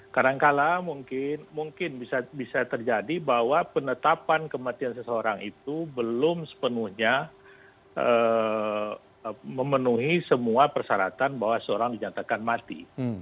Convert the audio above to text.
kadangkala mungkin bisa terjadi bahwa penetapan kematian seseorang itu belum sepenuhnya memenuhi semua persyaratan bahwa seorang dinyatakan mati